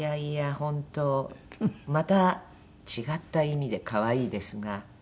本当また違った意味で可愛いですが。